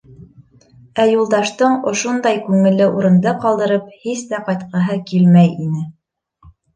Ә Юлдаштың ошондай күңелле урынды ҡалдырып һис тә ҡайтҡыһы килмәй ине.